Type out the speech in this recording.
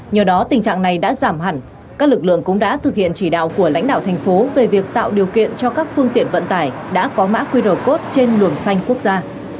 nhờ đó tình trạng này đã giảm hẳn các lực lượng cũng đã thực hiện chỉ đạo của lãnh đạo thành phố về việc tạo điều kiện cho các phương tiện vận tải đã có mã qr code trên luồng xanh quốc gia